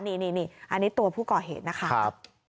นี่อันนี้พวก่อเหตุนะครับ